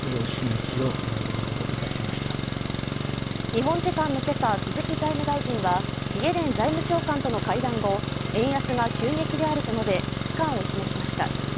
日本時間の今朝、鈴木財務大臣はイエレン財務長官との会談後円安が急激であると述べ危機感を示しました。